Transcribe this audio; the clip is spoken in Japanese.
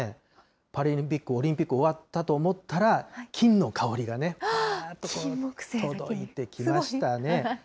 パラリンピック、オリンピック終わったと思ったら、きんの香りがね。届いてきましたね。